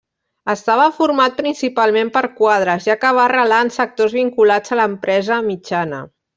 Estava format principalment per quadres, ja que va arrelar en sectors vinculats a l'empresa mitjana.